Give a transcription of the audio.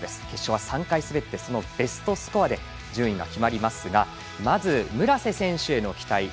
決勝は３回滑ってそのベストスコアで順位が決まりますがまず村瀬選手への期待